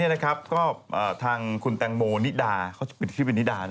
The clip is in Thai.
ทางคุณแตงโมนิดาเขาเปลี่ยนชื่อเป็นนิดานะ